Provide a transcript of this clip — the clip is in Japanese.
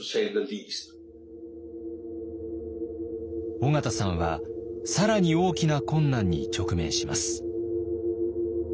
緒方さんは更に大きな困難に直面します。